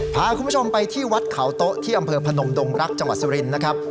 พาคุณผู้ชมไปที่วัดเขาโต๊ะที่อำเภอพนมดงรักจังหวัดสุรินทร์นะครับ